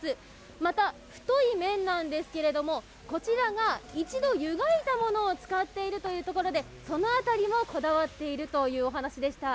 また太い麺なんですけど、こちらが一度、ゆがいたものを使っているということでその辺りもこだわっているというお話でした。